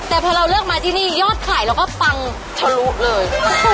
แต่พอเราเลือกมาที่นี่ยอดขายเราก็ปังทะลุเลย